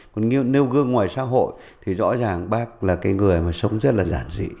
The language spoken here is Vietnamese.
còn nêu gương ngoài xã hội thì rõ ràng bác là cái người mà sống rất là giản dị